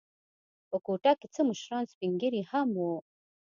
په کوټه کې څه مشران سپین ږیري هم و.